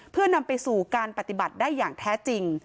เพื่อนำไปสู่การปฏิบัติได้อย่างแท้จริง